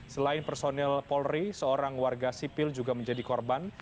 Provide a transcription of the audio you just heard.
selain personil polri seorang warga sipil juga menjadi korban